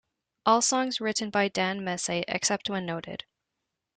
All songs written by Dan Messé, except when noted.